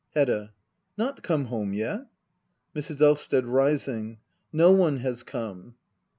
Hedda. Not come home yet ? Mrs. Elvsted. [Rising,] No one has come.